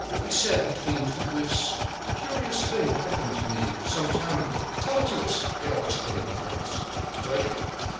He said between two whiffs: "A curious thing happened to me some time ago." "Tell it to us," they all exclaimed at once. "With pleasure.